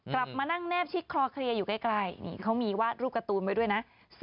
กลับมานั่งแนบชิดคลอเคลียร์อยู่ใกล้นี่เขามีวาดรูปการ์ตูนไว้ด้วยนะ